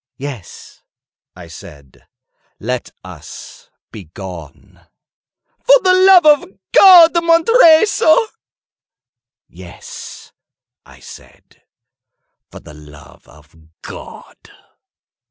"Yes," I said, "let us be gone." "For the love of God, Montressor!" "Yes," I said, "for the love of God!"